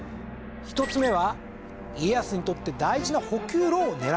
１つ目は家康にとって大事な補給路を狙われた事。